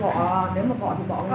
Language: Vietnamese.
thế nào nếu mà bỏ thì bỏ nước tiểu